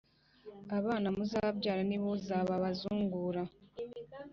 Abana muzabyara nibo zababazungura